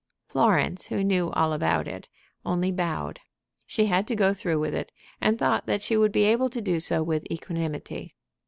Florence, who knew all about it, only bowed. She had to go through it, and thought that she would be able to do so with equanimity.